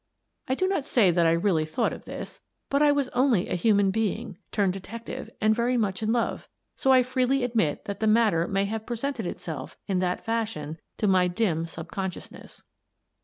I do not say that I really thought of this, but I was only a human being turned detective and very much in love, so I freely admit that the matter may have presented itself in that fashion to my dim subconsciousness.